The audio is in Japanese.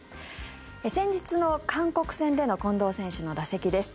先日の韓国戦での近藤選手の打席です。